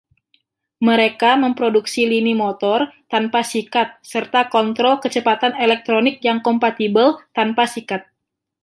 Mereka memproduksi lini motor tanpa sikat serta kontrol kecepatan elektronik yang kompatibel tanpa sikat.